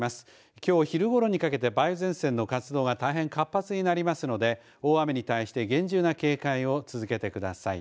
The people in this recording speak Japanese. きょう昼ごろにかけて梅雨前線の活動が大変活発になりますので大雨に対して厳重な警戒を続けてください。